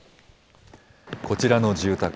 こちらの住宅。